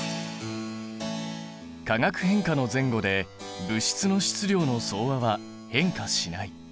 「化学変化の前後で物質の質量の総和は変化しない」。